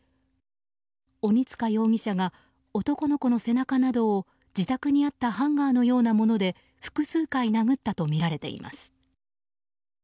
鬼塚容疑者が男の子の背中などを自宅にあったハンガーのようなもので服数回殴ったとみられています。